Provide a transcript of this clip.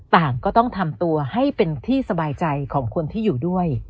ต่างก็ต้องทำตัวให้เป็นที่สบายใจของคนที่อยู่ด้วย